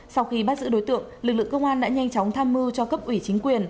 sau khi bắt giữ đối tượng lực lượng công an đã nhanh chóng tham mưu cho cấp ủy chính quyền